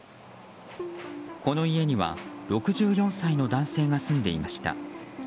この家には６４歳の男性が住んでいました。